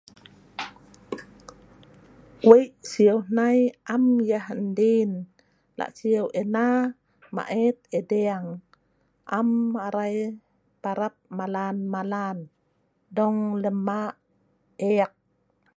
Wei' siu hnai am yah ndin, la' siu' Ina maet ideng. Am arai parap malan-malan dong lem ma' ek